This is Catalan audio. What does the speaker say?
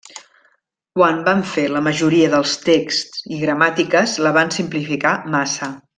Quan van fer la majoria dels texts i gramàtiques, la van simplificar massa.